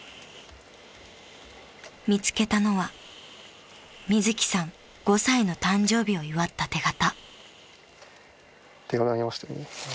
［見つけたのはみずきさん５歳の誕生日を祝った手形］